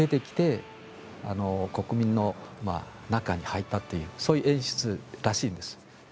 そこから出てきて国民の中に入ったというそういう演出らしいんです。